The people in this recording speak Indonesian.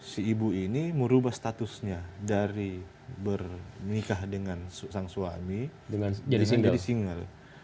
si ibu ini merubah statusnya dari bernikah dengan sang suami dengan jadi single